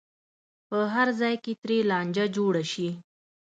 په هر ځای کې ترې لانجه جوړه شي.